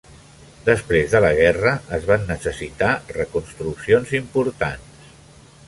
Després de la guerra es van necessitar reconstruccions importants.